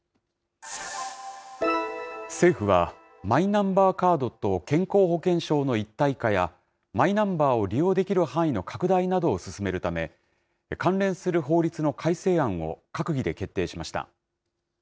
政府は、マイナンバーカードと健康保険証の一体化や、マイナンバーを利用できる範囲の拡大などを進めるため、関連する法律の改正案を閣議で決定しました。